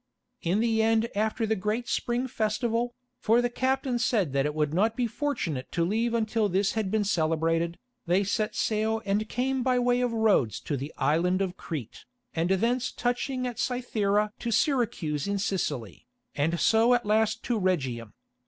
In the end after the great spring festival, for the captain said that it would not be fortunate to leave until this had been celebrated, they set sail and came by way of Rhodes to the Island of Crete, and thence touching at Cythera to Syracuse in Sicily, and so at last to Rhegium.